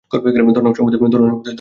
ধনসম্পদে দারুণ ঐশ্বর্যবান।